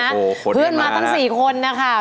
โหดเวลามาเพื่อนมาตั้ง๔คนอ่ะค่ะ